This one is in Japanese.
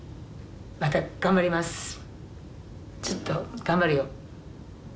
またちょっと頑張るよ。